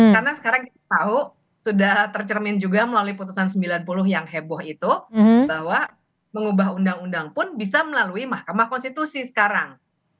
karena sekarang kita tahu sudah tercermin juga melalui putusan sembilan puluh yang heboh itu bahwa mengubah undang undang pun bisa melalui mahkamah konstitusi sekarang